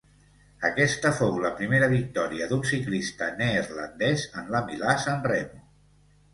Aquesta fou la primera victòria d'un ciclista neerlandès en la Milà-Sanremo.